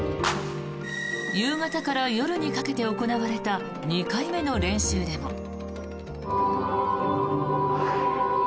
夕方から夜にかけて行われた２回目の練習でも。